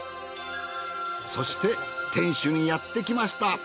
そして天守にやってきました。